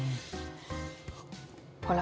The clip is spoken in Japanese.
ほら。